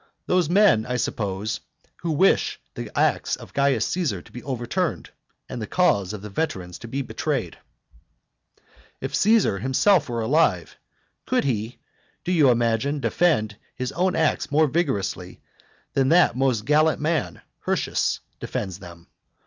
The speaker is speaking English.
Those men, I suppose, who wish the acts of Caius Caesar to be overturned, and the cause of the veterans to be betrayed. VIII. If Caesar himself were alive, could he, do you imagine, defend his own acts more vigorously than that most gallant man Hirtius defends them?